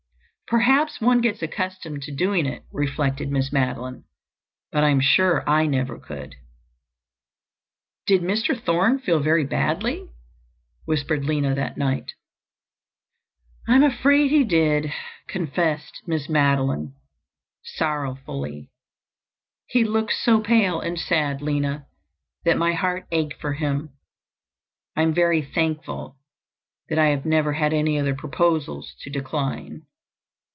"Perhaps one gets accustomed to doing it," reflected Miss Madeline. "But I am sure I never could." "Did Mr. Thorne feel very badly?" whispered Lina that night. "I'm afraid he did," confessed Miss Madeline sorrowfully. "He looked so pale and sad, Lina, that my heart ached for him. I am very thankful that I have never had any other proposals to decline.